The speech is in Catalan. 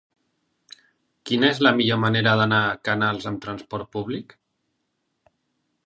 Quina és la millor manera d'anar a Canals amb transport públic?